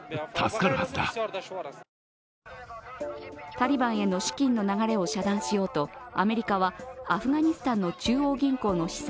タリバンへの資金の流れを遮断しようとアメリカはアフガニスタンの中央銀行の資産